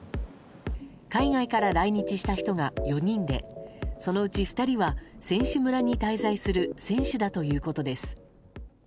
海外から来日した人が４人でそのうち２人は選手村に滞在する選手だということです。